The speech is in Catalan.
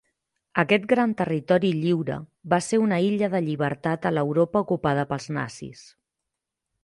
Aquest gran territori lliure va ser una illa de llibertat a l'Europa ocupada pels nazis.